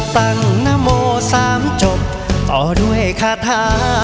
ตั้งนโม๓จบต่อด้วยคาถา